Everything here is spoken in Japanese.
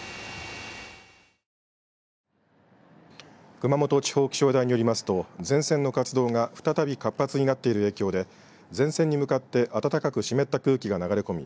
熊本地方気象台によりますと前線の活動が再び活発になっている影響で前線に向かって暖かく湿った空気が流れ込み